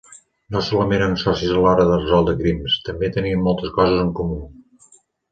No solament eren socis a l'hora de resoldre crims; també tenien moltes coses en comú.